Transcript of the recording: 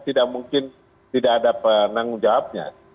tidak mungkin tidak ada penanggung jawabnya